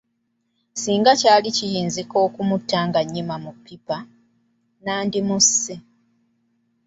Singa kyali kiyinzika okumutta nga nnyima mu ppipa, nandimusse.